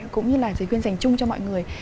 cũng như là giới khuyên dành chung cho mọi người